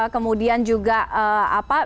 kemudian juga apa